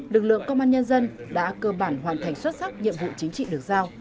lực lượng công an nhân dân đã cơ bản hoàn thành xuất sắc nhiệm vụ chính trị được giao